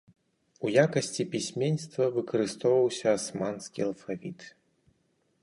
У якасці пісьменства выкарыстоўваўся асманскі алфавіт.